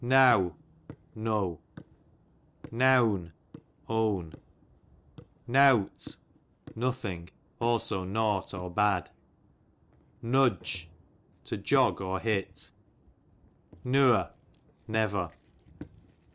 Now, now* Nown, own, Novvt, nothing; also naught or bad. Nudge, to jog^ or hit. Nuer, never.